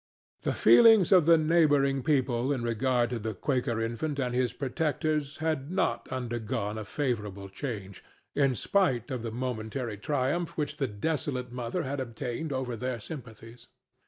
The feelings of the neighboring people in regard to the Quaker infant and his protectors had not undergone a favorable change, in spite of the momentary triumph which the desolate mother had obtained over their sympathies.